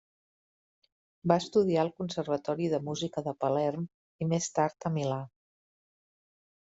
Va estudiar al conservatori de música de Palerm i més tard a Milà.